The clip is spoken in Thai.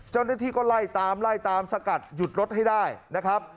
เจ้าหน้าที่ก็ไล่ตามไล่ตามสกัดหยุดรถให้ได้นะครับ